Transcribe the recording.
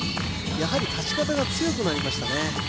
やはり立ち方が強くなりましたね